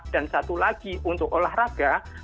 dan satu lagi untuk olahraga